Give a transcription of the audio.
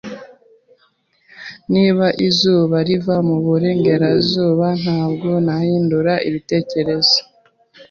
Niba izuba riva mu burengerazuba, ntabwo nahindura ibitekerezo.